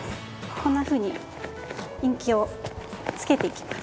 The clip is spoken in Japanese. こんなふうにインキをつけていきます。